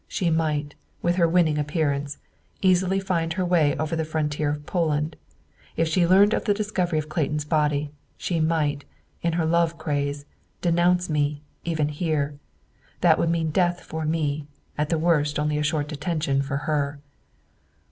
She might, with her winning appearance, easily find her way over the frontier of Poland. If she learned of the discovery of Clayton's body, she might, in her love craze, denounce me, even here. That would mean death for me; at the worst only a short detention for her."